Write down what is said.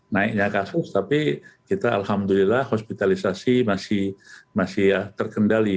naiknya kasus tapi kita alhamdulillah hospitalisasi masih terkendali